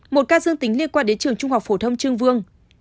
một ca dương tính liên quan đến trường trung học phổ thông trương vương